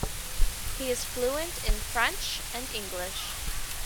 He is fluent in French and English.